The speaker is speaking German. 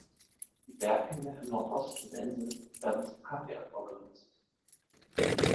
Die Berghänge im Nordosten der Insel werden zum Kaffeeanbau genutzt.